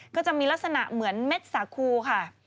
ก็จะมีลักษณะเหมือนเม็ดสาคูค่ะ